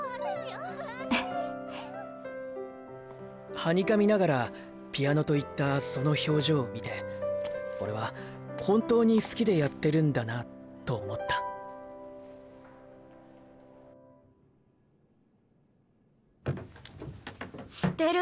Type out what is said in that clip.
はにかみながら「ピアノ」と言ったその表情を見てオレは本当に好きでやってるんだなと思った知ってる？